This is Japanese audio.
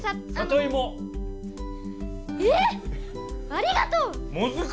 え⁉ありがとう！